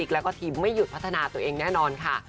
แล้วก็ทีมไม่หยุดพัฒนาตัวเองแน่นอนค่ะ